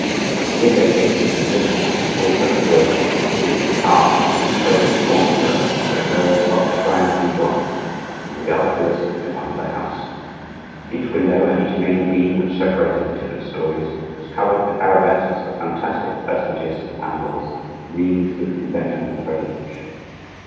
The window casings and lintels, also in wood, were richly carved, and so was the corner pillar where it rose above the shrine of the Madonna, and all the other pillars in front of the house. Each window, and each main beam which separated the different storeys, was covered with arabesques of fantastic personages and animals wreathed with conventional foliage.